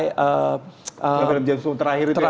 film james bond terakhir itu ya pak ya